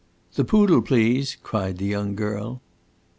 "The poodle, please!" cried the young girl.